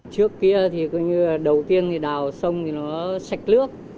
trước kia thì đầu tiên đào sông nó sạch nước